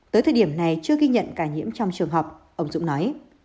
tới thời điểm này chưa ghi nhận ca nhiễm trong trường học ông dũng nói